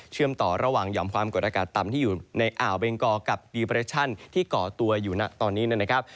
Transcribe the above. ต่อระหว่างหย่อมความกดอากาศต่ำที่อยู่ในอ่าวเบงกอกับดีเปรชั่นที่ก่อตัวอยู่นะตอนนี้นะครับ